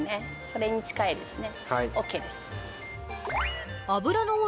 それに近いですね。